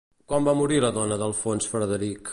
Quan va morir la dona d'Alfons Frederic?